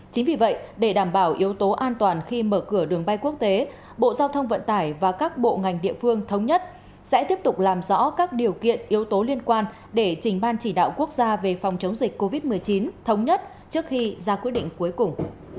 chính vì vậy để đảm bảo yếu tố an toàn khi mở cửa đường bay quốc tế bộ giao thông vận tải và các bộ ngành địa phương thống nhất sẽ tiếp tục làm rõ các điều kiện yếu tố liên quan để trình ban chỉ đạo quốc gia về phòng chống dịch covid một mươi chín thống nhất trước khi ra quyết định cuối cùng